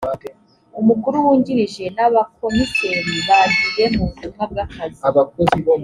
umukuru wungirije n’abakomiseri bagiye mu butumwa bw’akazi